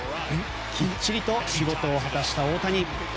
きっちりと仕事を果たした大谷。